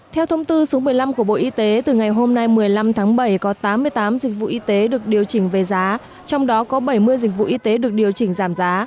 theo thông tư số một mươi năm của bộ y tế từ ngày hôm nay một mươi năm tháng bảy có tám mươi tám dịch vụ y tế được điều chỉnh về giá trong đó có bảy mươi dịch vụ y tế được điều chỉnh giảm giá